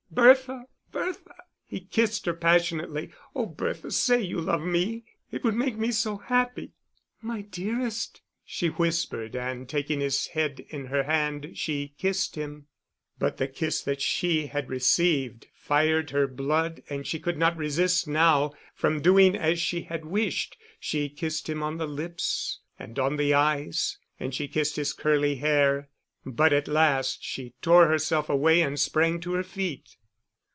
"Bertha, Bertha!" He kissed her passionately. "Oh, Bertha, say you love me. It would make me so happy." "My dearest," she whispered, and taking his head in her hand, she kissed him. But the kiss that she had received fired her blood and she could not resist now from doing as she had wished. She kissed him on the lips, and on the eyes, and she kissed his curly hair. But at last she tore herself away, and sprang to her feet.